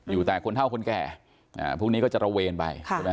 อยู่แต่คนเท่าคนแก่พรุ่งนี้ก็จะตระเวนไป